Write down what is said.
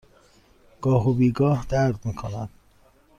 گاه و بیگاه درد می کند.